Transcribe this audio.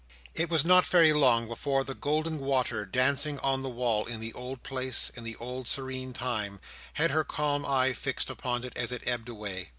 It was not very long before the golden water, dancing on the wall, in the old place, at the old serene time, had her calm eye fixed upon it as it ebbed away.